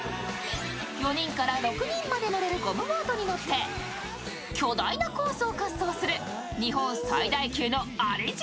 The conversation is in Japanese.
４人から６人まで乗れるゴムボートに乗って巨大なコースを滑走する日本最大級のありじ